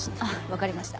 わかりました。